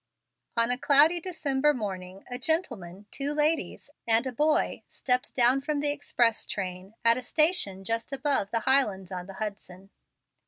On a cloudy December morning a gentleman, two ladies, and a boy stepped down from the express train at a station just above the Highlands on the Hudson.